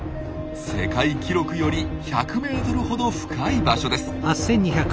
世界記録より１００ｍほど深い場所です。